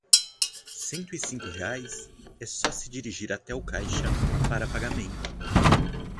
Cento e cinco reais, é só se dirigir até o caixa para pagamento.